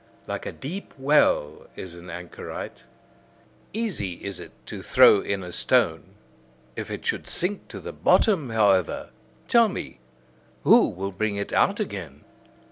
Like a deep well is an anchorite. Easy is it to throw in a stone: if it should sink to the bottom, however, tell me, who will bring it out again?